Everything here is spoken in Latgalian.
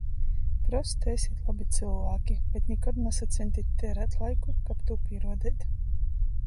Prosta esit lobi cylvāki, bet nikod nasaceņtit tierēt laiku, kab tū pīruodeit...